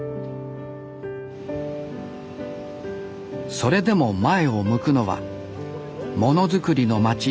それでも前を向くのはモノづくりの街